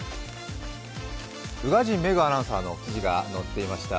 宇賀神メグアナウンサーの記事が載っていました。